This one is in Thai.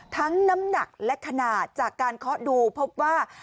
น้ำหนักและขนาดจากการเคาะดูพบว่า